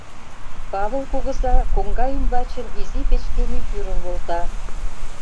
Павыл кугыза коҥга ӱмбачын изи печке мӱй пӱрым волта.